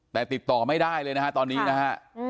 แต่ติดต่อไม่ได้เลยนะฮะตอนนี้นะฮะ